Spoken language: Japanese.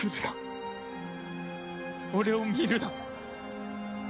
俺を見るな。